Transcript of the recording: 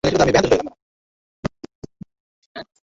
তাহাকে দেখিয়া বিনয়ের মনে ভারি একটা স্নেহ এবং আনন্দ জন্মিল।